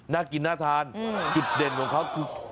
น่ากินน่าทานจุดเด่นของเขาคือ